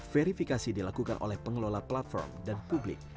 verifikasi dilakukan oleh pengelola platform dan publik